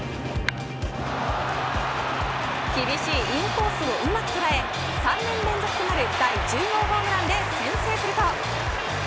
厳しいインコースをうまく捉え３年連続となる第１０号ホームランで先制すると。